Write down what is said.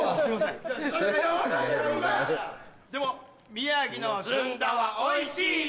宮城のずんだはおいしいよ！